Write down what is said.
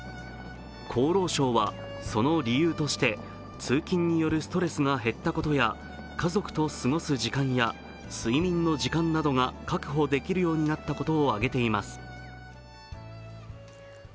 厚労省は、その理由として通勤によるストレスが減ったことや家族と過ごす時間や睡眠の時間が確保できるようになったことを挙げています。